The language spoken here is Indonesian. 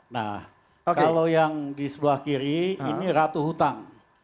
nah kalau yang di sebelah kiri ini ratu hutang